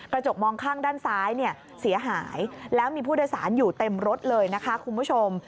กระจกมองข้างด้านซ้ายเนี่ยเสียหายแล้วมีผู้โดยสารอยู่เต็มรถเลยนะคะคุณผู้ชม